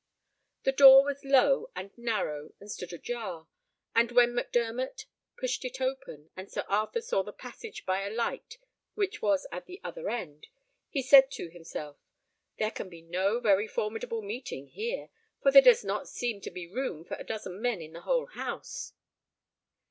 The door was low and narrow, and stood ajar; and when Mac Dermot pushed it open, and Sir Arthur saw the passage by a light which was at the other end, he said to himself, "There can be no very formidable meeting here, for there does not seem to be room for a dozen men in the whole house."